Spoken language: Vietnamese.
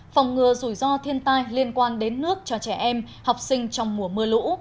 phòng ngừa rủi ro thiên tai liên quan đến nước cho trẻ em học sinh trong mùa mưa lũ